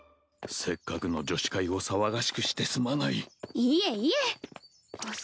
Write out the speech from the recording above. せっかくの女子会を騒がしくしてすまないいえいえあっ